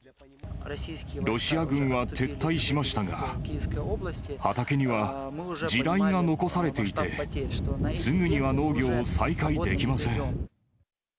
ロシア軍は撤退しましたが、畑には地雷が残されていて、すぐには農業を再開できません。